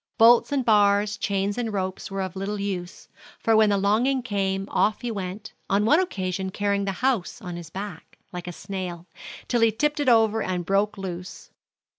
Bolts and bars, chains and ropes were of little use; for when the longing came, off he went, on one occasion carrying the house on his back, like a snail, till he tipped it over and broke loose.